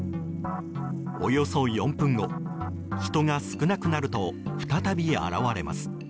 およそ４分後、人が少なくなると再び現れます。